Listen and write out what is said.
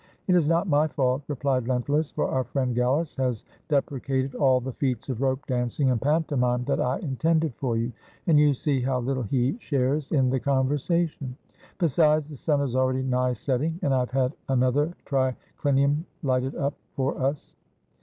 "It is not my fault," replied Lentulus; "for our friend Gallus has deprecated all the feats of rope dancing and pantomime that I intended for you, and you see how little he shares in the conversation. Besides, the sun is already nigh setting, and I have had another tricUnium lighted up for us.